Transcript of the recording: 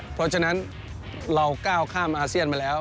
เพราะฉะนั้นเราก้าวข้ามอาเซียนมาแล้ว